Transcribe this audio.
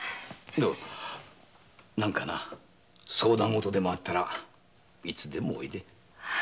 あのな何か相談ごとでもあったらいつでもおいで。